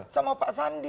sama pak sandi